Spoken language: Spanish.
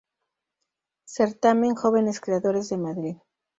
Certamen Jóvenes Creadores de Madrid.